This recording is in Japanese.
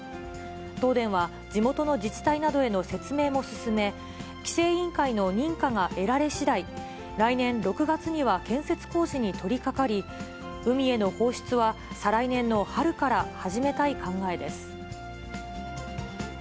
東電は、地元の自治体などへの説明も進め、規制委員会の認可が得られしだい、来年６月には建設工事に取りかかり、海への放出は再来年の春から始めたい考えです。